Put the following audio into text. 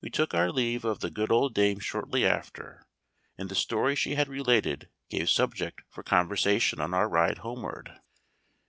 We took our leave of the good old dame shortly after, and the story she had related gave subject for conversation on our ride homeward.